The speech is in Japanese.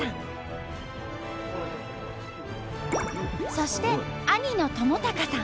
そして兄の智隆さん。